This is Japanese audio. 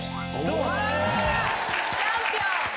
うわチャンピオン！